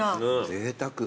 ぜいたく。